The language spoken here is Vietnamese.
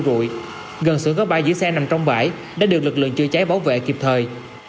rụi gần xưởng có ba giữ xe nằm trong bãi đã được lực lượng chữa cháy bảo vệ kịp thời